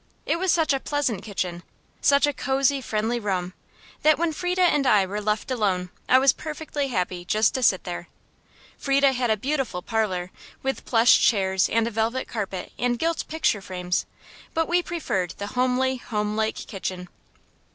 It was such a pleasant kitchen such a cosey, friendly room that when Frieda and I were left alone I was perfectly happy just to sit there. Frieda had a beautiful parlor, with plush chairs and a velvet carpet and gilt picture frames; but we preferred the homely, homelike kitchen.